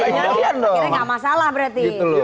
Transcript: kira kira enggak masalah berarti